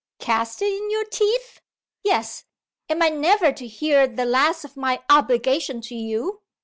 "Cast it in your teeth?" "Yes! Am I never to hear the last of my obligation to you?